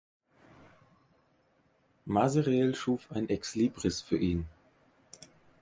Masereel schuf ein Exlibris für ihn.